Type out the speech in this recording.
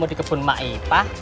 pagi kebun macmitta